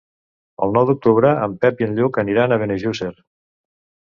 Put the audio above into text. El nou d'octubre en Pep i en Lluc aniran a Benejússer.